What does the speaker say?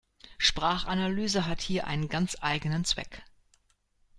Sprachanalyse hat hier einen ganz eigenen Zweck.